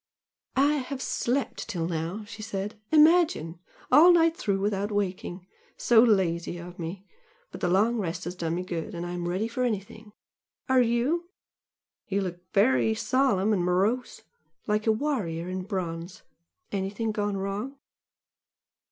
"I have slept till now," she said "Imagine! all night through without waking! So lazy of me! but the long rest has done me good and I'm ready for anything! Are you? You look very solemn and morose! like a warrior in bronze! Anything gone wrong?"